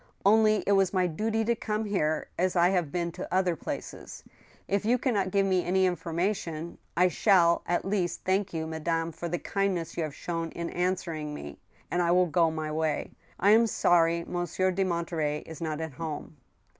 .•. Only it was my duty to come here, as I have been to other places. If you can not give me any information, I shall, at least, thank you, madame, for the kindness you have shown in answering me, and I will go my way. I am sorry Monsieur de Monterey is not at home."